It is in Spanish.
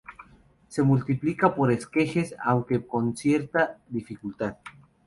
Se multiplica por esquejes, aunque con cierta dificultad.